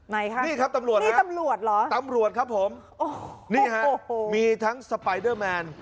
ไหนครับนี่ครับตำรวจครับตำรวจครับผมนี่ครับมีทั้งสไปเดอร์แมน